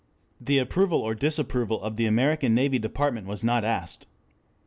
The approval or disapproval of the American Navy Department was not asked....